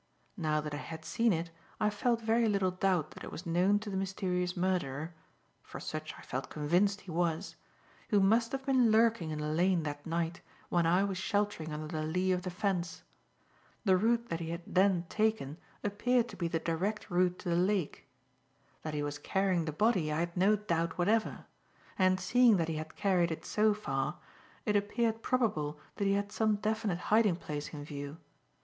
Now that I had seen it, I felt very little doubt that it was known to the mysterious murderer for such I felt convinced he was who must have been lurking in the lane that night when I was sheltering under the lee of the fence. The route that he had then taken appeared to be the direct route to the lake. That he was carrying the body, I had no doubt whatever; and, seeing that he had carried it so far, it appeared probable that he had some definite hiding place in view.